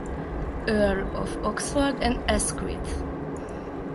Earl of Oxford and Asquith.